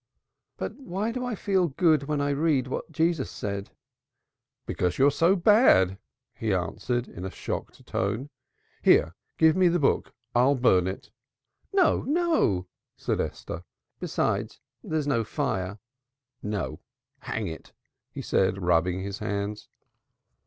"But why do I feel good when I read what Jesus said?" "Because you are so bad," he answered, in a shocked tone. "Here, give me the book, I'll burn it." "No, no!" said Esther. "Besides there's no fire." "No, hang it," he said, rubbing his hands.